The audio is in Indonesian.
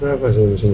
kenapa sih musim ini